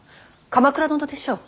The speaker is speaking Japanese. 鎌倉殿でしょう。